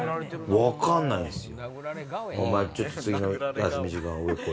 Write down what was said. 分かんないんすよ。